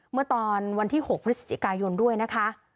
เมื่อตอนวันที่๖พฤศจิกายนด้วยนะคะ